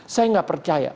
saya gak percaya